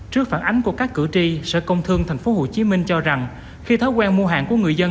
trước phản ánh của các cử tri sở công thương tp hcm cho rằng khi thói quen mua hàng của người dân